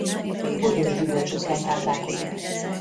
Bogyós gyümölcsökkel táplálkozik.